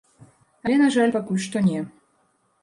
Але, на жаль, пакуль што не.